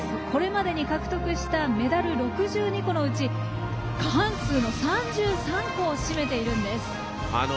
これまでに獲得したメダル６２個のうち過半数の３３個を占めています。